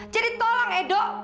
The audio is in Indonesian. jadi tolong edo